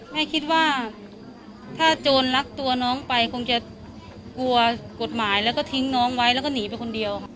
แม่คิดว่าถ้าโจรลักตัวน้องไปคงจะกลัวกฎหมายแล้วก็ทิ้งน้องไว้แล้วก็หนีไปคนเดียว